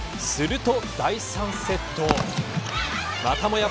すると第３セット。